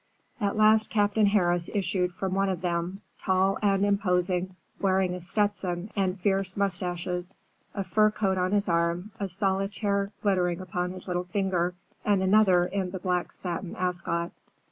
At last Captain Harris issued from one of them, tall and imposing, wearing a Stetson and fierce mustaches, a fur coat on his arm, a solitaire glittering upon his little finger and another in his black satin ascot.